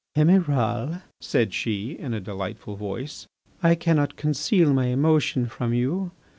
"Emiral," said she, in a delightful voice, "I cannot conceal my emotion from you.